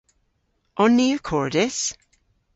On ni akordys?